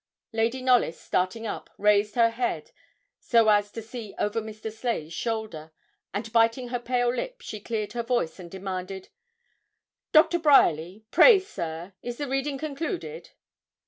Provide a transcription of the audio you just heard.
Lady Knollys, starting up, raised her head, so as to see over Mr. Sleigh's shoulder, and biting her pale lip, she cleared her voice and demanded 'Doctor Bryerly, pray, sir, is the reading concluded?'